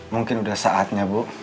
mungkin udah saatnya bu